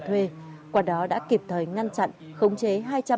thuê qua đó đã kịp thời ngăn chặn khống chế